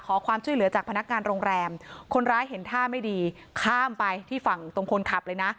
ขอความช่วยเหลือจากพนักงานโรงแรมคนร้ายเห็นท่าไม่ดีข้ามไปที่ฝั่งตรงคนขับเลยนะ